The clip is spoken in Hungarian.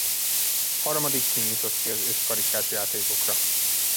Harmadikként jutott ki az ötkarikás játékokra.